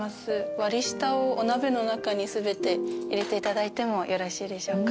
割り下をお鍋の中に全て入れていただいてもよろしいでしょうか？